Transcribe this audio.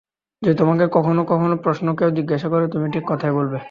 যদি তোমাকে কখনো কোনো প্রশ্ন কেউ জিজ্ঞাসা করে তুমি ঠিক কথাই বলবে।